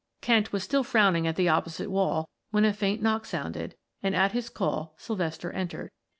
Kent was still frowning at the opposite wall when a faint knock sounded, and at his call Sylvester entered.